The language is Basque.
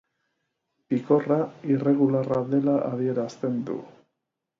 Pikorra irregularra dela adierazten du.